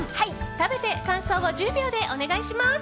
食べて感想を１０秒でお願いします。